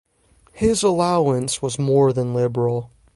His allowance was more than liberal.